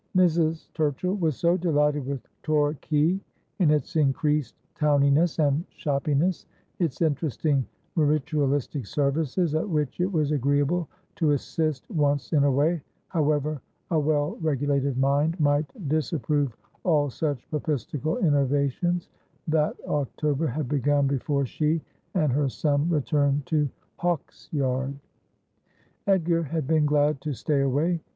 Mrs. Turchill was so delighted with Torquay, in its increased towniness and shoppiness, its interesting Ritualistic services, at which it was agreeable to assist once in a way, however a well regulated mind might disapprove all such Papistical innovations, that October had begun before she and her son returned to Hawksyard. Edgar had been glad to stay away.